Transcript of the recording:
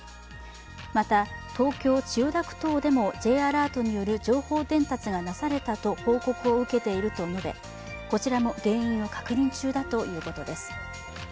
また、東京・千代田区等でもＪアラートによる情報伝達がなされたと報告を受けたと述べこちらも原因を確認中だということです。